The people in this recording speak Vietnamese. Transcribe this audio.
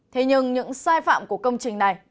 thế nhưng những sai phạm của công trình này